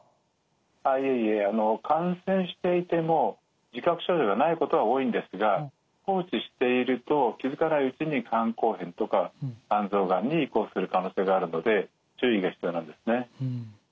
あっいえいえ感染していても自覚症状がないことが多いんですが放置していると気付かないうちに肝硬変とか肝臓がんに移行する可能性があるので注意が必要なんですね。